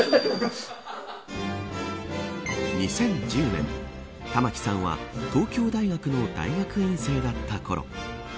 ２０１０年玉城さんは東京大学の大学院生だったころ